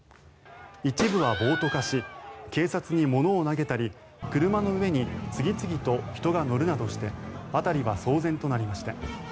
一部は暴徒化し警察に物を投げたり車の上に次々と人が乗るなどして辺りは騒然となりました。